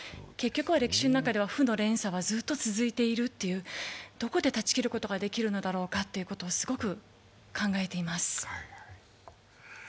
結局は歴史の中では負の連鎖はずっと続いているという、どこで断ち切ることができるのだろうかと、すごく考えています。